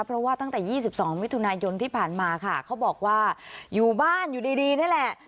เพราะว่าตั้งแต่๒๒มิถุนายนที่ผ่านมาค่ะเขาบอกว่าอยู่บ้านอยู่ดีนี่แหละ